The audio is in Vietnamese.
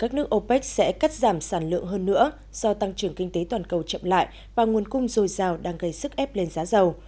các nước opec sẽ cắt giảm sản lượng hơn nữa do tăng trưởng kinh tế toàn cầu chậm lại và nguồn cung dồi dào đang gây sức ép lên giá dầu